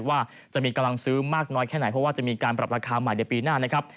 ว่าจะมีกำลังซื้อมากน้อยแค่ไหนเพราะว่าจะมีการปรับราคาใหม่ในปีหน้านะครับ